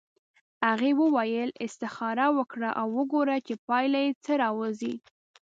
هغې وویل استخاره وکړه او وګوره چې پایله یې څه راوځي.